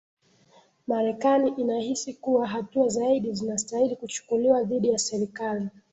marekani inahisi kuwa hatua zaidi zinastahili kuchukuliwa dhidi ya serikali